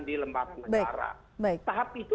di lembaga negara tahap itu